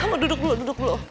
kamu duduk dulu duduk loh